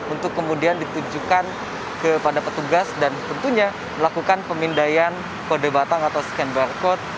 untuk kemudian ditujukan kepada petugas dan tentunya melakukan pemindaian kode batang atau scan barcode